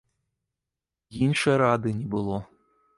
Іншай рады не было.